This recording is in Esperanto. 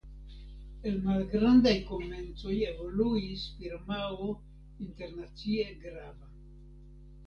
El malgrandaj komencoj evoluis firmao internacie grava.